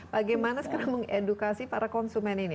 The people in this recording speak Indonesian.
bagaimana sekarang mengedukasi para konsumen ini